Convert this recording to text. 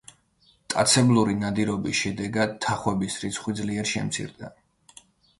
მტაცებლური ნადირობის შედეგად თახვების რიცხვი ძლიერ შემცირდა.